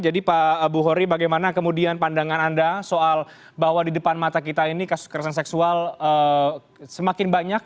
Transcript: jadi pak buhori bagaimana kemudian pandangan anda soal bahwa di depan mata kita ini kasus kekerasan seksual semakin banyak